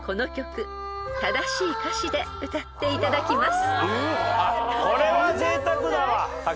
［正しい歌詞で歌っていただきます］